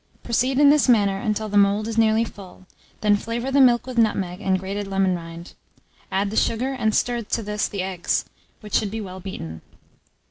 Proceed in this manner until the mould is nearly full; then flavour the milk with nutmeg and grated lemon rind; add the sugar, and stir to this the eggs, which should be well beaten.